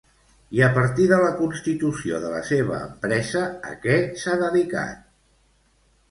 I a partir de la constitució de la seva empresa, a què s'ha dedicat?